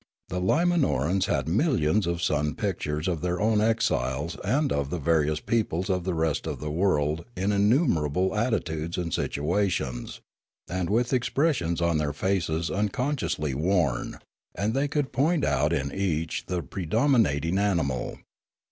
The Limanorans had millions of sun pictures of their own exiles and of the various peoples of the rest of the world in innumerable attitudes and situations, and with expressions on their faces unconsciously worn ; and they could point out in each the predominating animal.